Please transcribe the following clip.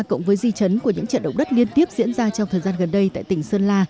cộng với di chấn của những trận động đất liên tiếp diễn ra trong thời gian gần đây tại tỉnh sơn la